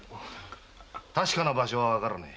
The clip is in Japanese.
確かな場所はわからねえ。